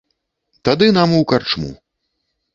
Тады нам у карчму.